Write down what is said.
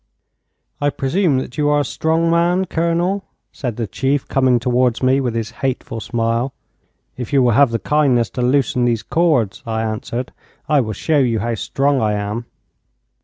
'I presume that you are a strong man, Colonel,' said the chief, coming towards me with his hateful smile. 'If you will have the kindness to loosen these cords,' I answered, 'I will show you how strong I am.'